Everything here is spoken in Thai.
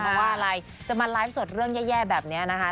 เพราะว่าอะไรจะมาไลฟ์สดเรื่องแย่แบบนี้นะคะ